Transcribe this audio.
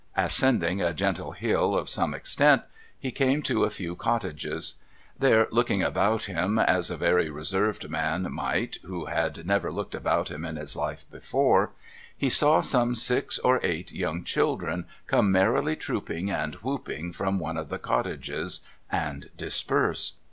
Ascending a gentle hill of some extent, he came to a few cottages. There, looking about him as a very reserved man might who had never looked about him in his life before, he saw some six or eight young children come merrily trooping and whooping from one of the cottages, and disperse.